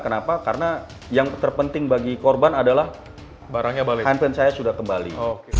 kenapa karena yang terpenting bagi korban adalah handphone saya sudah kembali